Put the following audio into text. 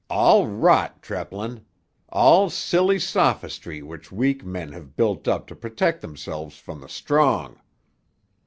"All rot, Treplin; all silly sophistry which weak men have built up to protect themselves from the strong!